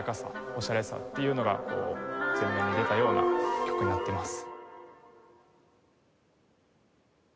オシャレさっていうのが前面に出たような曲になってます。